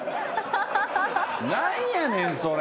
何やねんそれ。